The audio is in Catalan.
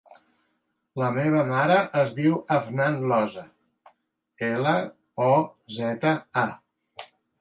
La meva mare es diu Afnan Loza: ela, o, zeta, a.